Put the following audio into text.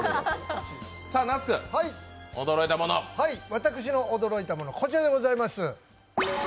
私の驚いたもの、こちらでございます。